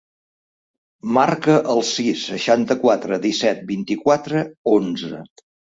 Marca el sis, seixanta-quatre, disset, vint-i-quatre, onze.